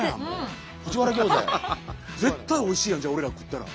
絶対おいしいやんじゃあ俺ら食ったら。